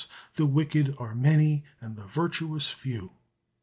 the wicked are many and the virtuous few.